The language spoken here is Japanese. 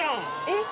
えっ！？